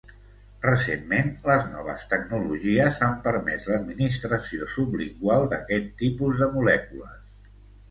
Recentment, les noves tecnologies han permès l'administració sublingual d'aquest tipus de molècules.